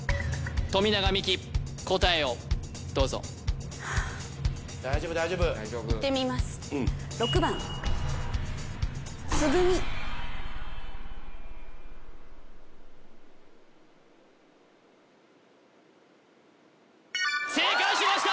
富永美樹答えをどうぞはあ大丈夫大丈夫いってみます正解しました！